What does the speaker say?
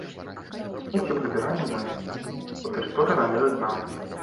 А смецце прыбіраем мы, бо тэрыторыя належыць нам.